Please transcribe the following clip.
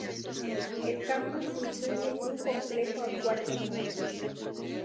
El campus incluye un complejo acuático.